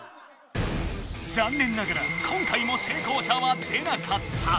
残念ながら今回も成功者は出なかった。